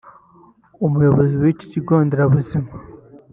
umuyobozi w’iki kigo nderabuzima